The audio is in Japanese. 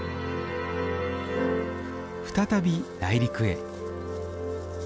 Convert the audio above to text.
再び内陸へ。